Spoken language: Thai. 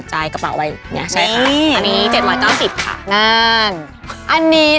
มีทั้งไต้หวันฮ่องโกงญี่ปุ่นนี่